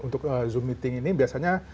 untuk zoom meeting ini biasanya